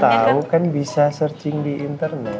kalau pengen tau kan bisa searching di internet